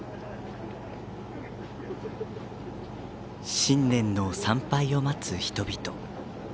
新年の参拝を待つ人々。